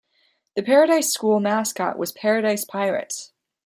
The Paradise school mascot was Paradise Pirates.